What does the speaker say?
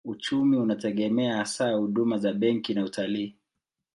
Uchumi unategemea hasa huduma za benki na utalii.